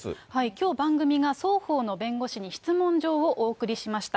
きょう、番組が双方の弁護士に質問状をお送りしました。